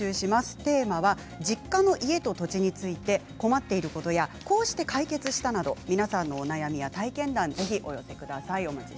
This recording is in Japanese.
テーマは実家の家と土地について困っていることやこうして解決したなど、皆さんのお悩みや体験談をお寄せください。